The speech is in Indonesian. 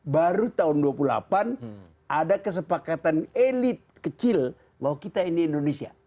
baru tahun dua puluh delapan ada kesepakatan elit kecil bahwa kita ini indonesia